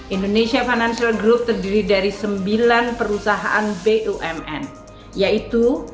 indonesia financial group terdiri dari sembilan perusahaan bumn yaitu